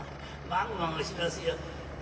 「まごまごしますよ。